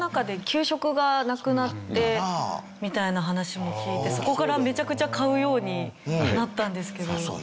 みたいな話も聞いてそこからめちゃくちゃ買うようになったんですけど。